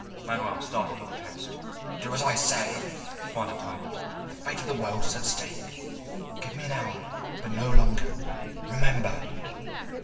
Manuel started to protest. "Do as I say," commanded Talbot. "The fate of the world is at stake. Give me an hour; but no longer remember!"